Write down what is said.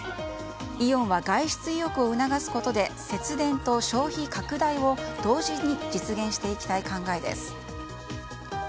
イオンは外出意欲を促すことで節電と消費拡大を同時に実現していきたい考えです。